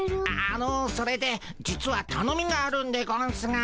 あのそれで実はたのみがあるんでゴンスが。